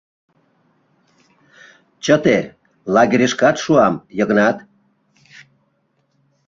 — Чыте, лагерьышкат шуам, Йыгнат...